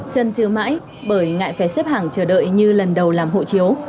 chân chưa mãi bởi ngại phé xếp hàng chờ đợi như lần đầu làm hội chiếu